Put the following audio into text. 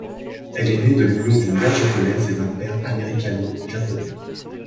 Elle est née de l'union d'une mère japonaise et d'un père américano-japonais.